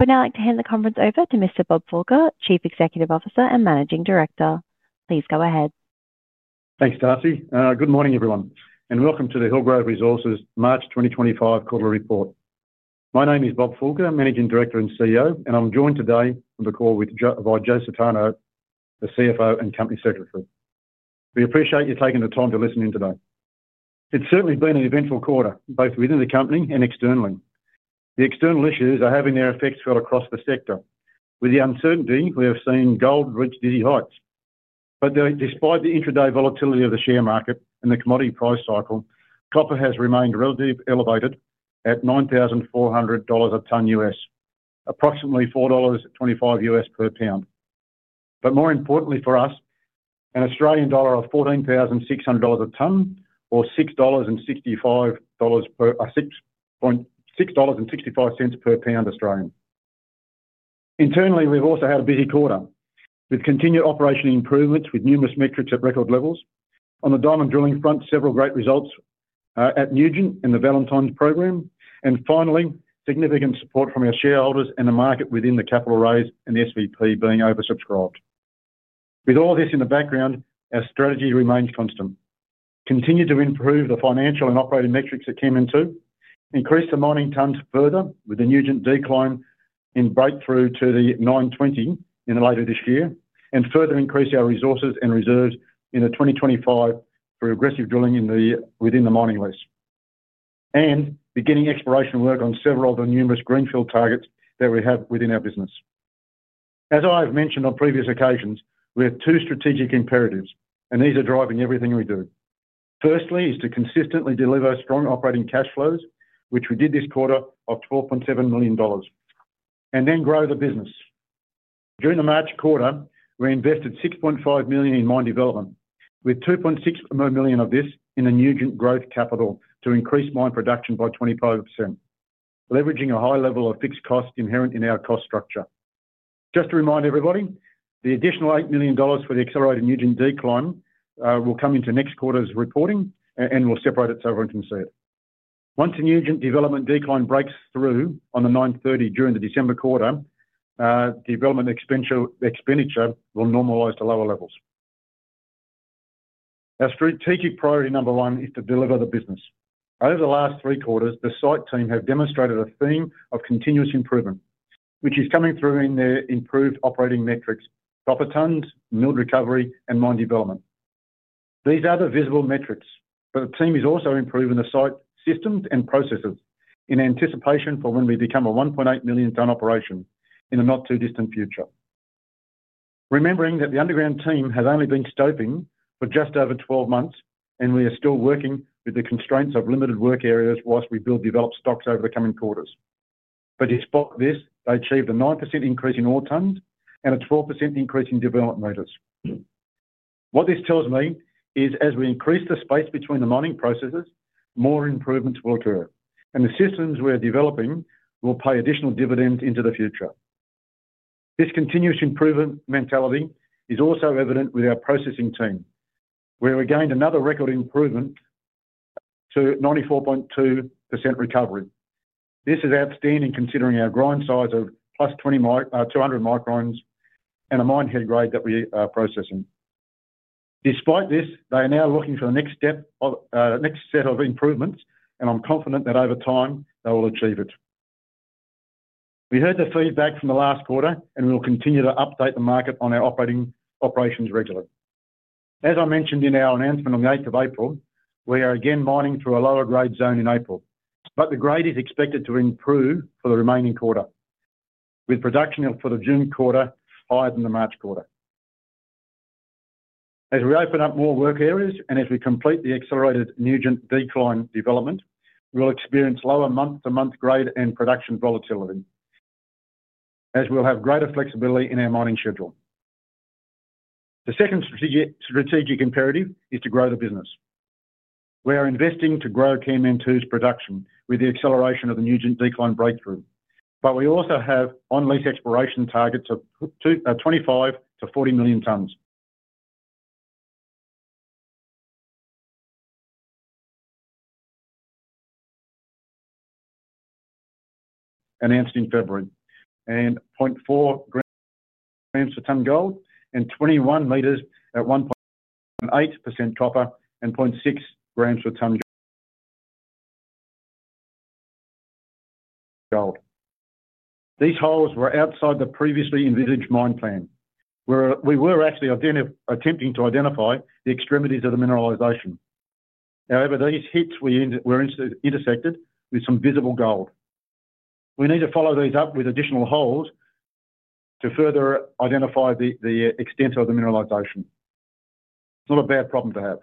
I'd now like to hand the conference over to Mr. Bob Fulker, Chief Executive Officer and Managing Director. Please go ahead. Thanks, Darcy. Good morning, everyone, and welcome to the Hillgrove Resources March 2025 Quarterly Report. My name is Bob Fulker, Managing Director and CEO, and I'm joined today on the call by Joe Sutanto, the CFO and Company Secretary. We appreciate you taking the time to listen in today. It's certainly been an eventful quarter, both within the company and externally. The external issues are having their effects felt across the sector, with the uncertainty we have seen gold reach dizzy heights. Despite the intraday volatility of the share market and the commodity price cycle, copper has remained relatively elevated at $9,400 a tonne US, approximately $4.25 per pound. More importantly for us, an Australian dollar of AUD 14,600 a tonne, or 6.65 dollars per pound. Internally, we've also had a busy quarter with continued operational improvements, with numerous metrics at record levels. On the diamond drilling front, several great results at Nugent and the Valentine program, and finally, significant support from our shareholders and the market within the capital raise and the SPP being oversubscribed. With all this in the background, our strategy remains constant: continue to improve the financial and operating metrics at Kanmantoo, increase the mining tons further with the Nugent decline in breakthrough to the 920 in later this year, and further increase our resources and reserves in 2025 for aggressive drilling within the mining lease, and beginning exploration work on several of the numerous greenfield targets that we have within our business. As I have mentioned on previous occasions, we have two strategic imperatives, and these are driving everything we do. Firstly, is to consistently deliver strong operating cash flows, which we did this quarter of 12.7 million dollars, and then grow the business. During the March quarter, we invested 6.5 million in mine development, with 2.6 million of this in the Nugent Growth Capital to increase mine production by 25%, leveraging a high level of fixed cost inherent in our cost structure. Just to remind everybody, the additional 8 million dollars for the accelerated Nugent decline will come into next quarter's reporting and will separate itself into a third. Once the Nugent development decline breaks through on the 930 during the December quarter, development expenditure will normalize to lower levels. Our strategic priority number one is to deliver the business. Over the last three quarters, the site team have demonstrated a theme of continuous improvement, which is coming through in their improved operating metrics: copper tons, milled recovery, and mine development. These are the visible metrics, but the team is also improving the site systems and processes in anticipation for when we become a 1.8 million tonne operation in the not-too-distant future. Remembering that the underground team has only been scoping for just over 12 months, and we are still working with the constraints of limited work areas whilst we build developed stocks over the coming quarters. Despite this, they achieved a 9% increase in all tons and a 12% increase in development meters. What this tells me is, as we increase the space between the mining processes, more improvements will occur, and the systems we are developing will pay additional dividends into the future. This continuous improvement mentality is also evident with our processing team, where we gained another record improvement to 94.2% recovery. This is outstanding considering our grind size of plus 200 microns and a mine head grade that we are processing. Despite this, they are now looking for the next step of the next set of improvements, and I'm confident that over time they will achieve it. We heard the feedback from the last quarter, and we will continue to update the market on our operating operations regularly. As I mentioned in our announcement on the 8th of April, we are again mining through a lower grade zone in April, but the grade is expected to improve for the remaining quarter, with production for the June quarter higher than the March quarter. As we open up more work areas and as we complete the accelerated Nugent decline development, we will experience lower month-to-month grade and production volatility, as we'll have greater flexibility in our mining schedule. The second strategic imperative is to grow the business. We are investing to grow Kanmantoo's production with the acceleration of the Nugent decline breakthrough, but we also have on-lease exploration targets of 25-40 million tonnes. Announced in February. And 0.4 grams per tonne gold and 21 metres at 1.8% copper and 0.6 grams per tonne gold. These holes were outside the previously envisaged mine plan. We were actually attempting to identify the extremities of the mineralisation. However, these hits were intersected with some visible gold. We need to follow these up with additional holes to further identify the extent of the mineralisation. It's not a bad problem to have.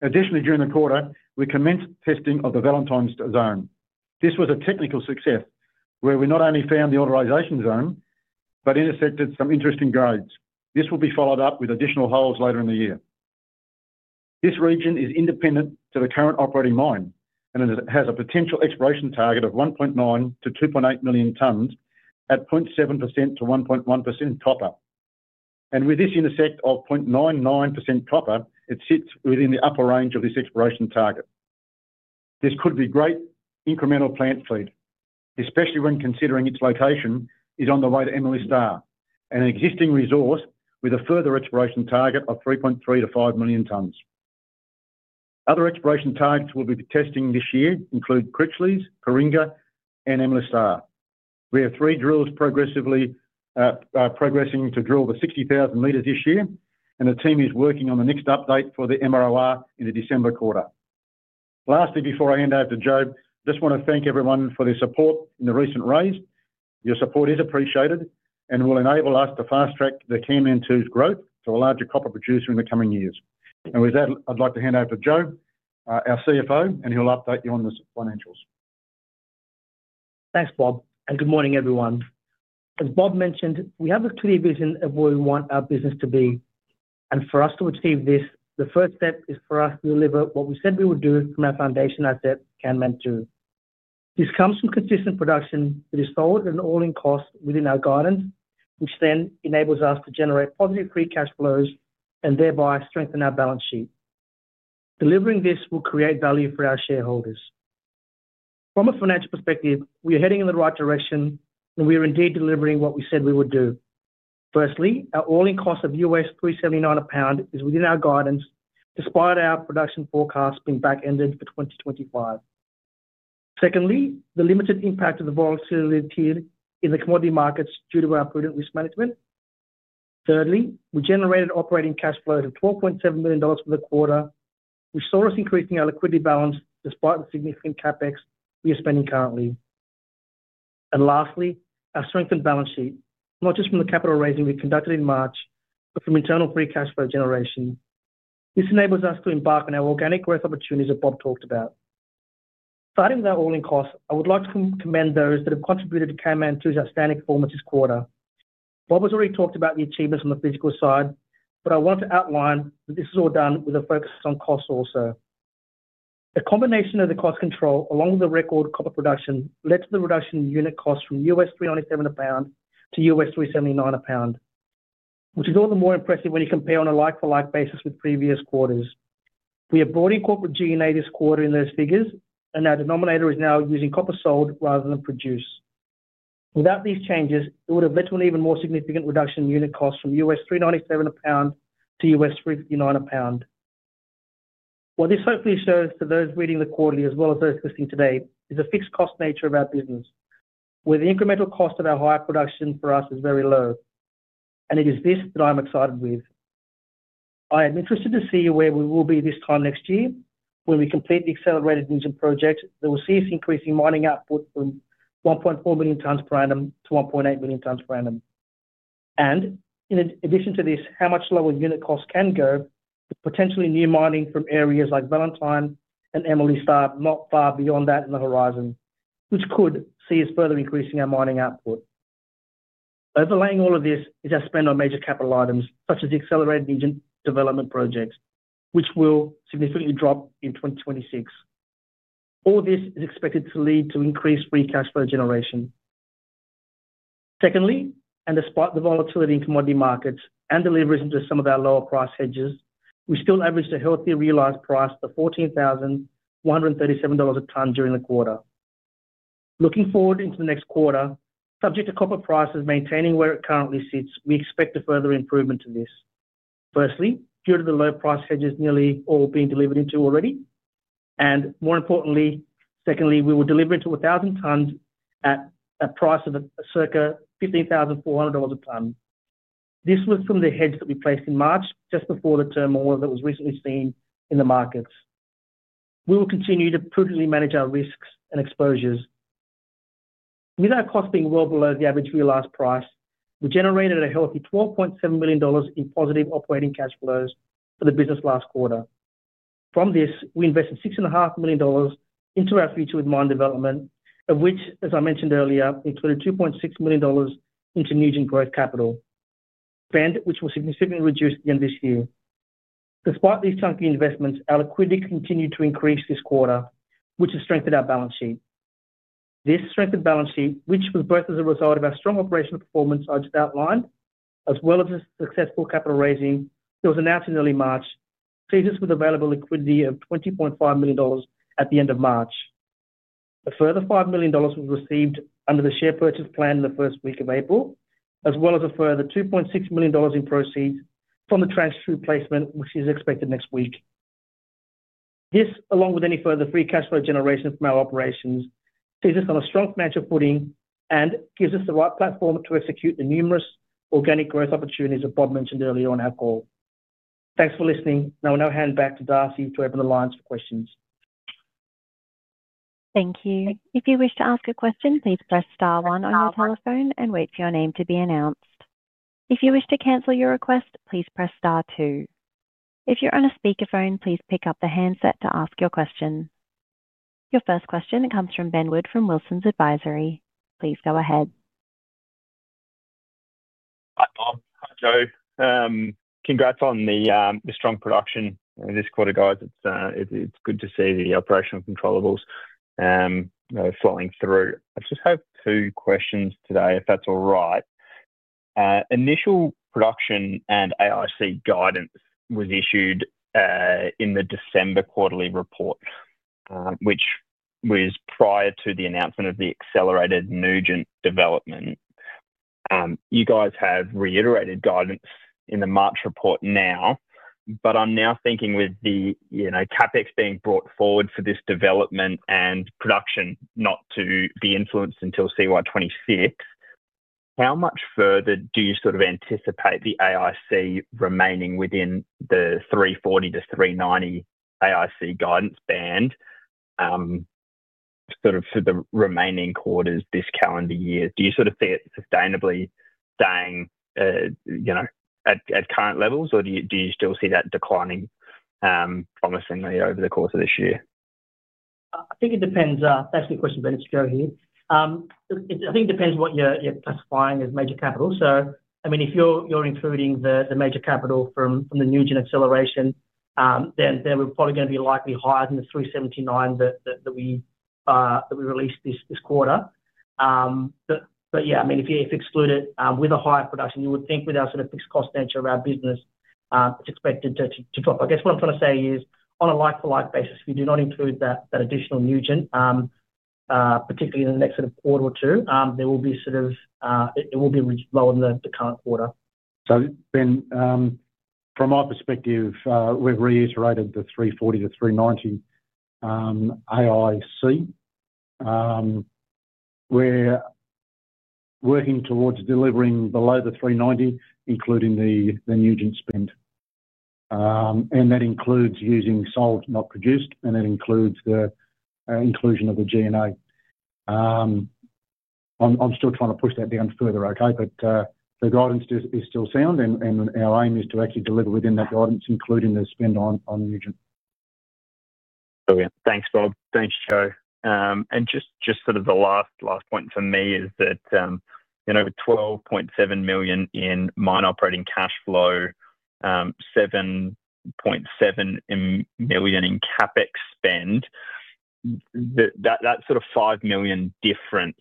Additionally, during the quarter, we commenced testing of the Valentine's zone. This was a technical success where we not only found the mineralisation zone, but intersected some interesting grades. This will be followed up with additional holes later in the year. This region is independent to the current operating mine and has a potential exploration target of 1.9-2.8 million tonnes, at 0.7%-1.1% copper. With this intersect of 0.99% copper, it sits within the upper range of this exploration target. This could be great incremental plant feed, especially when considering its location is on the way to Emily Star, an existing resource with a further exploration target of 3.3-5 million tonnes. Other exploration targets we'll be testing this year include Critchley, Karinga, and Emily Star. We have three drills progressively progressing to drill the 60,000 metres this year, and the team is working on the next update for the MROR in the December quarter. Lastly, before I hand over to Joe, I just want to thank everyone for their support in the recent raise. Your support is appreciated and will enable us to fast track the Kanmantoo's growth to a larger copper producer in the coming years. With that, I'd like to hand over to Joe, our CFO, and he'll update you on the financials. Thanks, Bob, and good morning, everyone. As Bob mentioned, we have a clear vision of where we want our business to be. For us to achieve this, the first step is for us to deliver what we said we would do from our foundation asset, Kanmantoo. This comes from consistent production that is sold and all-in cost within our guidance, which then enables us to generate positive free cash flows and thereby strengthen our balance sheet. Delivering this will create value for our shareholders. From a financial perspective, we are heading in the right direction, and we are indeed delivering what we said we would do. Firstly, our all-in cost of $3.79 a pound is within our guidance, despite our production forecast being back-ended for 2025. Secondly, the limited impact of the volatility in the commodity markets due to our prudent risk management. Thirdly, we generated operating cash flow of 12.7 million dollars for the quarter, which saw us increasing our liquidity balance despite the significant CapEx we are spending currently. Lastly, our strengthened balance sheet, not just from the capital raising we conducted in March, but from internal free cash flow generation. This enables us to embark on our organic growth opportunities that Bob talked about. Starting with our all-in cost, I would like to commend those that have contributed to Kanmantoo's outstanding performance this quarter. Bob has already talked about the achievements on the physical side, but I want to outline that this is all done with a focus on cost also. The combination of the cost control, along with the record copper production, led to the reduction in unit cost from $3.97 a pound to $3.79 a pound, which is all the more impressive when you compare on a like-for-like basis with previous quarters. We have brought in corporate G&A this quarter in those figures, and our denominator is now using copper sold rather than produced. Without these changes, it would have literally been a more significant reduction in unit cost from $3.97 a pound to $3.59 a pound. What this hopefully shows to those reading the quarterly, as well as those listening today, is the fixed cost nature of our business, where the incremental cost of our higher production for us is very low. It is this that I'm excited with. I am interested to see where we will be this time next year when we complete the accelerated Nugent project that will see us increasing mining output from 1.4 million tonnes per annum to 1.8 million tonnes per annum. In addition to this, how much lower unit cost can go, potentially new mining from areas like Valentine and Emily Star, not far beyond that in the horizon, which could see us further increasing our mining output. Overlaying all of this is our spend on major capital items, such as the accelerated Nugent development projects, which will significantly drop in 2026. All this is expected to lead to increased free cash flow generation. Secondly, and despite the volatility in commodity markets and deliveries into some of our lower price hedges, we still averaged a healthy realized price of $14,137 a tonne during the quarter. Looking forward into the next quarter, subject to copper prices maintaining where it currently sits, we expect a further improvement to this. Firstly, due to the low price hedges nearly all being delivered into already, and more importantly, secondly, we will deliver into 1,000 tonnes at a price of circa $15,400 a tonne. This was from the hedge that we placed in March, just before the turmoil that was recently seen in the markets. We will continue to prudently manage our risks and exposures. With our cost being well below the average realized price, we generated a healthy $12.7 million in positive operating cash flows for the business last quarter. From this, we invested $6.5 million into our future with mine development, of which, as I mentioned earlier, included $2.6 million into Nugent Growth Capital, spend which will significantly reduce at the end of this year. Despite these chunky investments, our liquidity continued to increase this quarter, which has strengthened our balance sheet. This strengthened balance sheet, which was both as a result of our strong operational performance I just outlined, as well as a successful capital raising that was announced in early March, sees us with available liquidity of 20.5 million dollars at the end of March. A further 5 million dollars was received under the share purchase plan in the first week of April, as well as a further 2.6 million dollars in proceeds from the Tranche 2 placement, which is expected next week. This, along with any further free cash flow generation from our operations, sees us on a strong financial footing and gives us the right platform to execute the numerous organic growth opportunities that Bob mentioned earlier on our call. Thanks for listening. Now I'll hand back to Darcy to open the lines for questions. Thank you. If you wish to ask a question, please press Star 1 on your telephone and wait for your name to be announced. If you wish to cancel your request, please press Star 2. If you're on a speakerphone, please pick up the handset to ask your question. Your first question comes from Ben Wood from Wilsons Advisory. Please go ahead. Hi, Bob. Hi, Joe. Congrats on the strong production this quarter, guys. It's good to see the operational controllables flowing through. I just have two questions today, if that's all right. Initial production and AIC guidance was issued in the December quarterly report, which was prior to the announcement of the accelerated Nugent development. You guys have reiterated guidance in the March report now, but I'm now thinking with the CapEx being brought forward for this development and production not to be influenced until CY2026, how much further do you sort of anticipate the AIC remaining within the 340-390 AIC guidance band sort of for the remaining quarters this calendar year? Do you sort of see it sustainably staying at current levels, or do you still see that declining promisingly over the course of this year? I think it depends. Thanks for your question, Ben and Joe here. I think it depends what you're classifying as major capital. I mean, if you're including the major capital from the Nugent acceleration, then we're probably going to be likely higher than the 379 that we released this quarter. I mean, if you exclude it with a higher production, you would think with our sort of fixed cost nature of our business, it's expected to drop. I guess what I'm trying to say is, on a like-for-like basis, if you do not include that additional Nugent, particularly in the next sort of quarter or two, there will be sort of it will be lower than the current quarter. Ben, from my perspective, we've reiterated the 340-390 AIC. We're working towards delivering below the 390, including the Nugent spend. That includes using sold, not produced, and that includes the inclusion of the G&A. I'm still trying to push that down further, okay? The guidance is still sound, and our aim is to actually deliver within that guidance, including the spend on Nugent. Brilliant. Thanks, Bob. Thanks, Joe. Just sort of the last point for me is that 12.7 million in mine operating cash flow, 7.7 million in CapEx spend, that sort of 5 million difference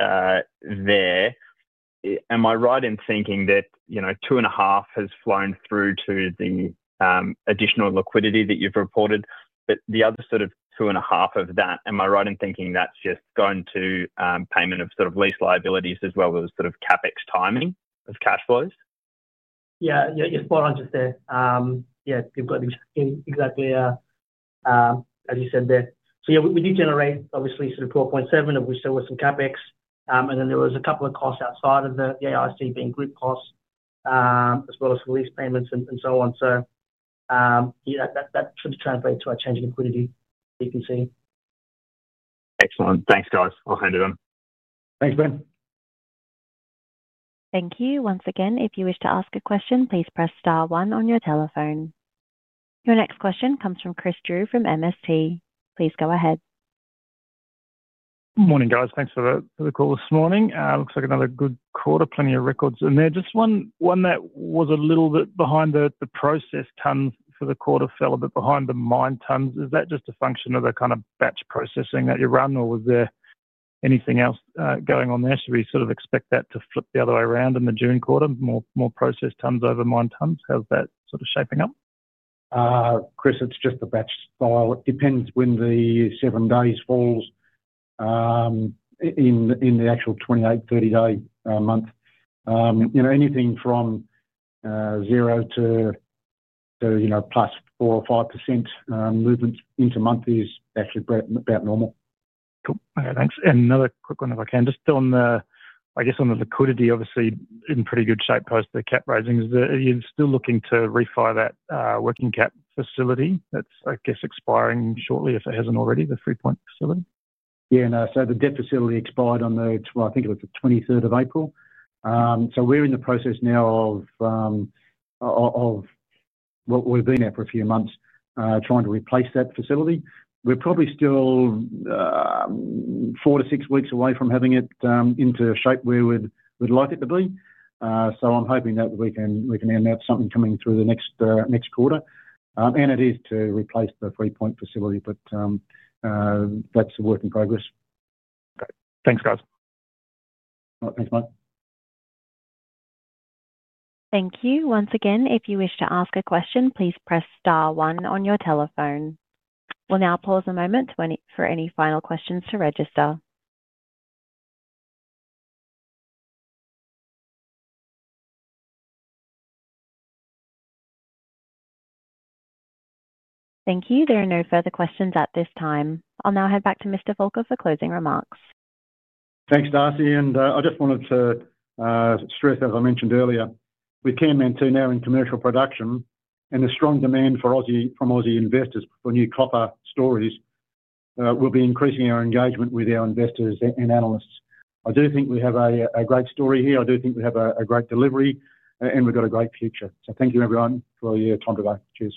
there. Am I right in thinking that 2.5 million has flown through to the additional liquidity that you've reported? The other sort of 2.5 million of that, am I right in thinking that's just going to payment of sort of lease liabilities as well as sort of CapEx timing of cash flows? Yeah, you're spot on just there. Yeah, you've got exactly as you said there. Yeah, we did generate, obviously, sort of 12.7 million, of which there was some CapEx, and then there was a couple of costs outside of the AIC being group costs, as well as release payments and so on. That should translate to a change in liquidity, you can see. Excellent. Thanks, guys. I'll hand it over. Thanks, Ben. Thank you. Once again, if you wish to ask a question, please press Star 1 on your telephone. Your next question comes from Chris Drew from MST. Please go ahead. Morning, guys. Thanks for the call this morning. Looks like another good quarter. Plenty of records in there. Just one that was a little bit behind: the processed tonnes for the quarter fell a bit behind the mine tonnes. Is that just a function of the kind of batch processing that you run, or was there anything else going on there? Should we sort of expect that to flip the other way around in the June quarter, more processed tonnes over mine tonnes? How's that sort of shaping up? Chris, it's just the batch style. It depends when the seven days falls in the actual 28, 30-day month. Anything from zero to plus 4% or 5% movement into month is actually about normal. Cool. Thanks. Another quick one if I can. Just on the, I guess, on the liquidity, obviously in pretty good shape post the cap raisings, you're still looking to refire that working cap facility that's, I guess, expiring shortly, if it hasn't already, the Freepoint facility? Yeah. The debt facility expired on the, I think it was the 23rd of April. We are in the process now of, we have been there for a few months trying to replace that facility. We are probably still four to six weeks away from having it into shape where we would like it to be. I am hoping that we can end up with something coming through the next quarter. It is to replace the Freepoint facility, but that is a work in progress. Okay. Thanks, guys. Thanks, Mike. Thank you. Once again, if you wish to ask a question, please press Star 1 on your telephone. We'll now pause a moment for any final questions to register. Thank you. There are no further questions at this time. I'll now hand back to Mr. Fulker for closing remarks. Thanks, Darcy. I just wanted to stress, as I mentioned earlier, with Kanmantoo now in commercial production and the strong demand from Aussie investors for new copper stories, we'll be increasing our engagement with our investors and analysts. I do think we have a great story here. I do think we have a great delivery, and we've got a great future. Thank you, everyone, for your time today.